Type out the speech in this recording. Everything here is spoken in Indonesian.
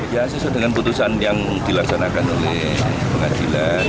ya sesuai dengan putusan yang dilaksanakan oleh pengadilan